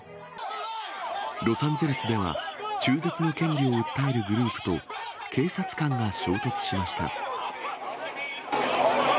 ロサンゼルスでは、中絶の権利を訴えるグループと、警察官が衝突しました。